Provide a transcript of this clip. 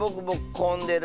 こんでる？